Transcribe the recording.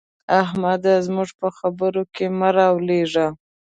احمده! زموږ په خبرو کې مه رالوېږه.